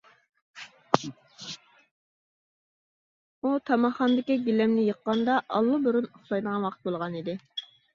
ئۇ تاماقخانىدىكى گىلەمنى يىغقاندا، ئاللىبۇرۇن ئۇخلايدىغان ۋاقىت بولغانىدى.